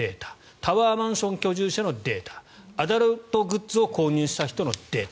タワーマンション居住者のデータアダルトグッズを購入した人のデータ。